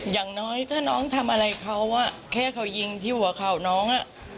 อย่างน้อยถ้าน้องทำอะไรเขาแค่เขายิงที่หัวเข่าน้อง